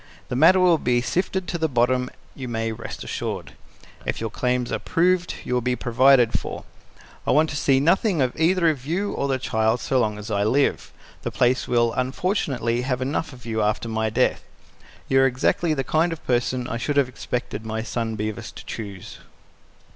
The matter will be sifted to the bottom, you may rest assured. If your claims are proved, you will be provided for. I want to see nothing of either you or the child so long as I live. The place will unfortunately have enough of you after my death. You are exactly the kind of person I should have expected my son Bevis to choose."